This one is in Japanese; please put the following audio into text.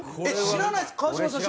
知らないですか？